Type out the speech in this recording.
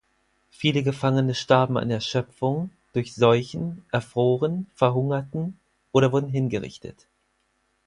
Viele Gefangene starben an Erschöpfung, durch Seuchen, erfroren, verhungerten oder wurden hingerichtet.